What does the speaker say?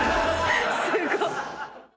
すごっ！